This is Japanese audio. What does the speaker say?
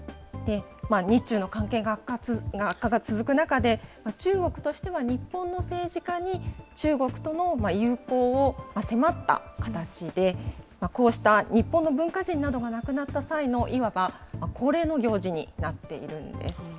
日中の関係が、悪化が続く中で、中国としては日本の政治家に中国との友好を迫った形で、こうした日本の文化人などが亡くなった際のいわば恒例の行事になっているんです。